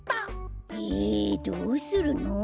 えどうするの？